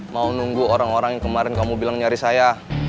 mau nunggu orang orang yang kemarin kamu bilang nyari saya